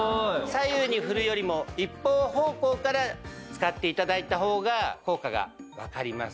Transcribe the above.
左右に振るよりも一方方向から使って頂いた方が効果がわかります。